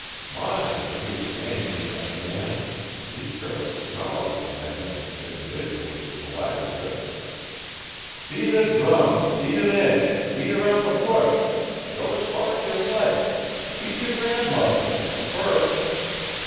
My, but he was an angry young man, and he fairly snarled at the magnificent individual he had collided with: "Beat a drum, beat an egg, beat around the bush go as far as you like beat your grandmother if you prefer!"